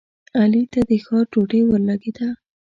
علي ته د ښار ډوډۍ ورلګېده.